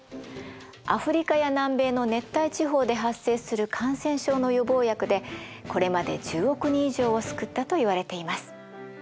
アフリカや南米の熱帯地方で発生する感染症の予防薬でこれまで１０億人以上を救ったといわれています。